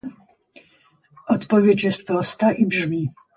Odpowiedź jest prosta i brzmi